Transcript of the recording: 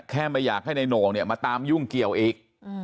ไม่อยากให้นายโหน่งเนี่ยมาตามยุ่งเกี่ยวอีก